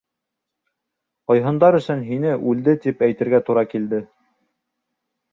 Ҡойһондар өсөн һине үлде тип әйтергә тура килде.